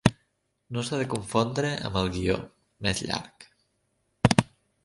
No s'ha de confondre amb el guió, més llarg.